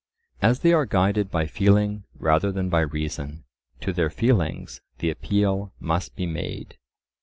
As they are guided by feeling rather than by reason, to their feelings the appeal must be made.